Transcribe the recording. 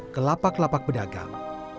ke lapak lapak bedagang